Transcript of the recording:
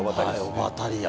オバタリアン。